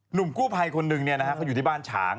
หนุ่มกู้ภัยคนหนึ่งเขาอยู่ที่บ้านฉาง